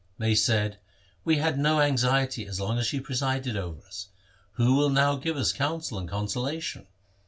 They said, ' We had no anxiety as long as she presided over us. Who will now give us counsel and consolation